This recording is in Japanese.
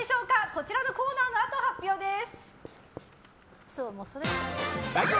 こちらのコーナーのあと発表です。